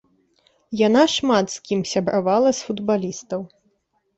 Яна шмат з кім сябравала з футбалістаў.